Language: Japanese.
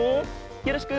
よろしく。